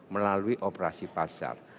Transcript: melalui operasi pasar